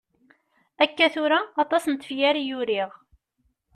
Akka tura, aṭas n tefyar i uriɣ.